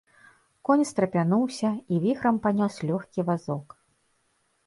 Конь страпянуўся і віхрам панёс лёгкі вазок.